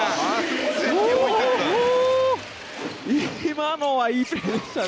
今のはいいプレーでしたね。